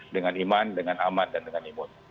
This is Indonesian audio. dengan iman dengan aman dan dengan imun